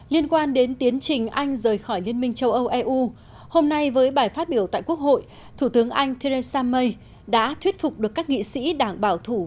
liên quan đến tiến trình anh rời khỏi liên minh châu âu eu hôm nay với bài phát biểu tại quốc hội thủ tướng anh theresa may đã thuyết phục được các nghị sĩ đảng bảo thủ